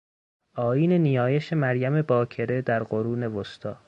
آیین نیایش مریم باکره در قرون وسطی